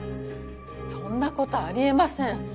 そんな事あり得ません！